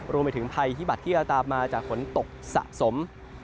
รวมไปถึงภัยพิบัตรที่จะตามมาจากฝนตกสะสม